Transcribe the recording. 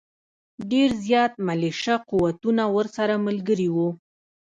ډېر زیات ملېشه قوتونه ورسره ملګري وو.